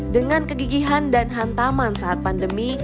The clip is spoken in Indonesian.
dengan kegigihan dan hantaman saat pandemi